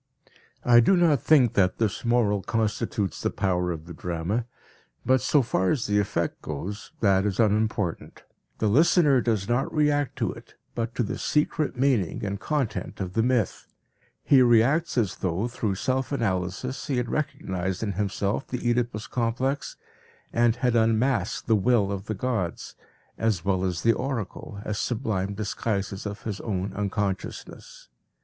I do not think that this moral constitutes the power of the drama, but so far as the effect goes, that is unimportant; the listener does not react to it, but to the secret meaning and content of the myth. He reacts as though through self analysis he had recognized in himself the Oedipus complex, and had unmasked the will of the gods, as well as the oracle, as sublime disguises of his own unconsciousness.